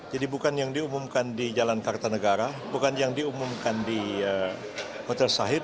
jadi bukan yang diumumkan di jalan kartanegara bukan yang diumumkan di hotel sahid